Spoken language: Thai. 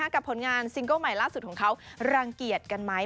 ผลงานซิงเกิ้ลใหม่ล่าสุดของเขารังเกียจกันไหม